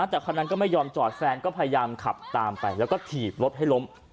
แต่คนนั้นก็ไม่ยอมจอดแฟนก็พยายามขับตามไปแล้วก็ถีบรถให้ล้ม